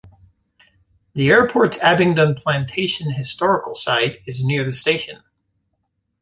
The airport's Abingdon Plantation historical site is near the station.